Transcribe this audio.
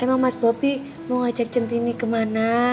emang mas bobi mau ngajak centini kemana